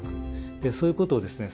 そういうことをですね